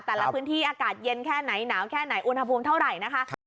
แต่ละพื้นที่อากาศเย็นแค่ไหนหนาวแค่ไหนอุณหภูมิเท่าไหร่นะคะ